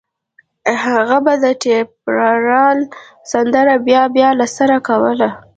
هغه به د ټيپيراري سندره بيا بيا له سره کوله